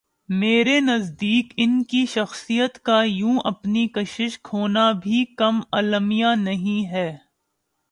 میرے نزدیک ان کی شخصیت کا یوں اپنی کشش کھونا بھی کم المیہ نہیں ہے۔